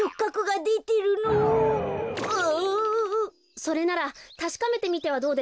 それならたしかめてみてはどうですか？